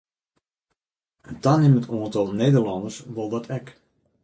In tanimmend oantal Nederlânners wol dat ek.